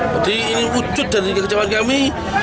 jadi ini wujud dari kekecewaan kami